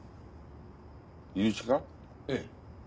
ええ。